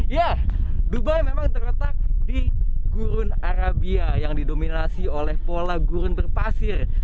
ya dubai memang terletak di gurun arabia yang didominasi oleh pola gurun berpasir